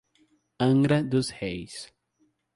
Angra dos Reis